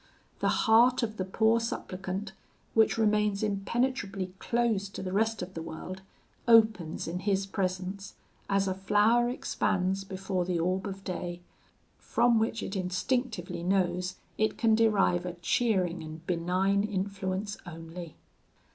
The heart of the poor supplicant, which remains impenetrably closed to the rest of the world, opens in his presence, as a flower expands before the orb of day, from which it instinctively knows it can derive a cheering and benign influence only.